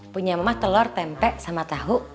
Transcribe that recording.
punya mama telur tempe sama tahu